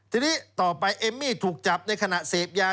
ทีนี้ต่อไปเอมมี่ถูกจับในขณะเสพยา